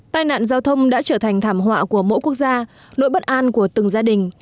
tai nạn giao thông đã trở thành thảm họa của mỗi quốc gia nỗi bất an của từng gia đình